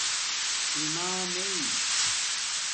امامݵ